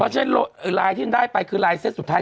เพราะว่าใช้ลบเอ่อไลน์ที่ได้ไปคือไลน์เซ็ทสุดท้าย